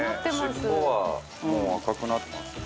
尻尾は、もう赤くなってますね。